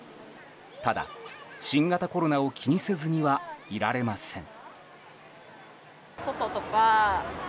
ただ、新型コロナを気にせずにはいられません。